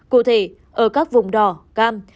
cụ thể ở các vùng đỏ cam